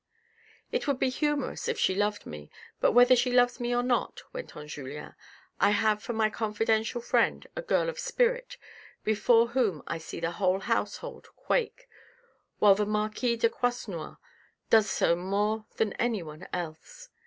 " It would be humorous if she loved me but whether she loves me or not," went on Julien, " I have for my confidential friend a girl of spirit before whom I see the whole household quake, while the marquis de Croisenois does so more than anyone else.